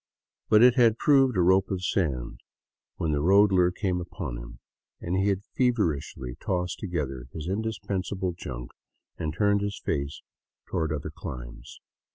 But it had proved a rope of sand when the road lure came upon him, and he had feverishly tossed together his indispensable junk and turned his face toward other climes.